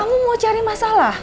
kamu mau cari masalah